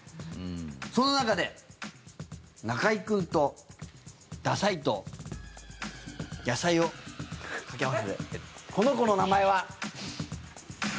その中で、中居君とダサいと野菜を掛け合わせてこの子の名前は。